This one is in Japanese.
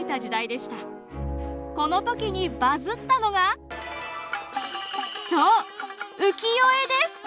この時にバズったのがそう浮世絵です！